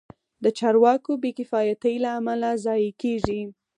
د چارواکو بې کفایتۍ له امله ضایع کېږي.